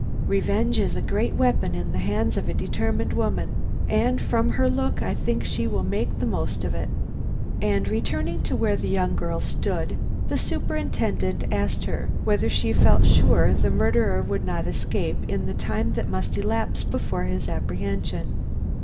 Revenge is a great weapon in the hands of a determined woman, and from her look I think she will make the most of it." And returning to where the young girl stood, the Superintendent asked her whether she felt sure the murderer would not escape in the time that must elapse before his apprehension.